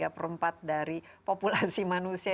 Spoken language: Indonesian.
tiga per empat dari populasi manusia